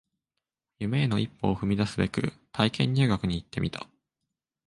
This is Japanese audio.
夢への一歩を踏み出すべく体験入学に行ってみた